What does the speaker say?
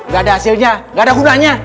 gak ada hasilnya gak ada gunanya